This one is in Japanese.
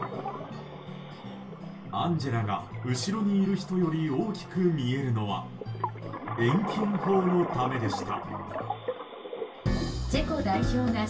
アンジェラが後ろにいる人より大きく見えるのは遠近法のためでした。